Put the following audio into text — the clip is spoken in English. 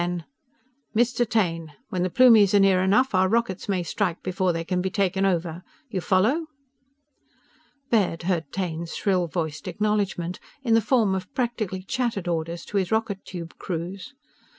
Then: "Mr. Taine! When the Plumies are near enough, our rockets may strike before they can be taken over! You follow?" Baird heard Taine's shrill voiced acknowledgment in the form of practically chattered orders to his rocket tube crews.